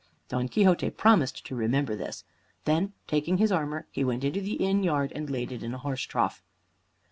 Don Quixote promised to remember this. Then taking his armor, he went into the inn yard and laid it in a horse trough.